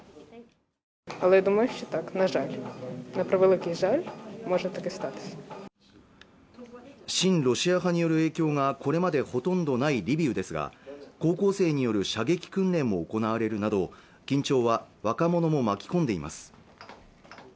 親ロシア派による影響がこれまでほとんどないリビウですが高校生による射撃訓練も行われるなど緊張は若者も巻き込んでいます